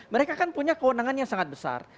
mereka kan punya kewenangan yang sangat besar